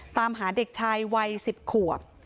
ตามหาเด็กชายวัย๑๐ขวบ